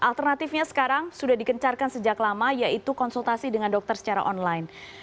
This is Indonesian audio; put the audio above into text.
alternatifnya sekarang sudah dikencarkan sejak lama yaitu konsultasi dengan dokter secara online